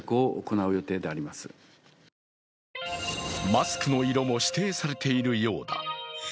マスクの色も指定されているようだ。